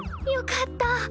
よかった！